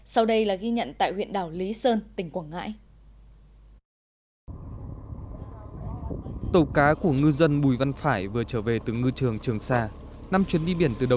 sau đây là ghi nhận tại huyện đảo lý sơn tỉnh quảng ngãi